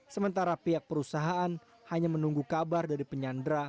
sementara pihak perusahaan hanya menunggu kabar dari penyandera